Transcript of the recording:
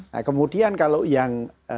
nah kemudian kalau yang